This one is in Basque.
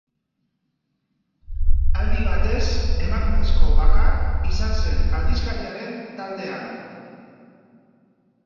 Aldi batez, emakumezko bakar izan zen aldizkariaren taldean.